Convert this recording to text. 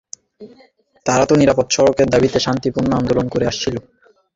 তারা তো নিরাপদ সড়কের দাবিতে শান্তপূর্ণ আন্দোলন করে আসছিল।